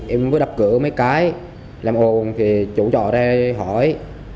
em mới đập cửa mấy cái làm ồn thì chủ trọ ra hỏi